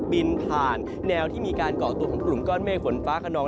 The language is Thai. บินผ่านแนวที่มีการเกาะตัวของกลุ่มก้อนเมฆฝนฟ้าขนอง